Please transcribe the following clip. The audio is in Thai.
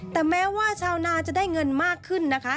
แต่แม้ว่าชาวนาจะได้เงินมากขึ้นนะคะ